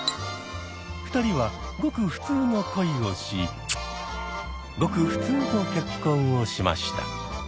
２人はごく普通の恋をしごく普通の結婚をしました。